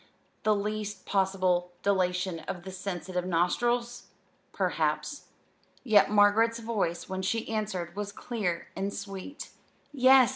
the least possible dilation of the sensitive nostrils? Perhaps. Yet Margaret's voice when she answered, was clear and sweet. "Yes.